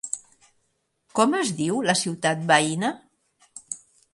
Com es diu la ciutat veïna?